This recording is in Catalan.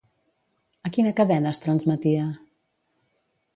A quina cadena es transmetia?